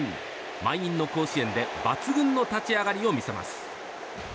満員の甲子園で抜群の立ち上がりを見せます。